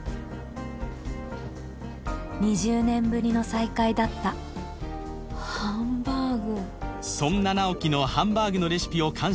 ２０年ぶりの再会だったハンバーグ